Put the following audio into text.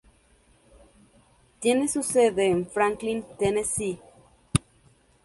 Tiene su sede en Franklin, Tennessee.